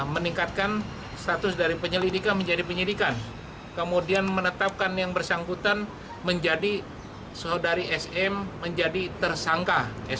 meningkatkan status dari penyelidikan menjadi penyidikan kemudian menetapkan yang bersangkutan menjadi saudari sm menjadi tersangka